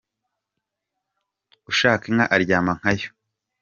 Ushaka inka aryama nkayo.